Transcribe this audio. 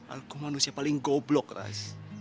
aku manusia paling goblok ras